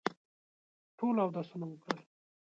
ټولو اودسونه وکړل.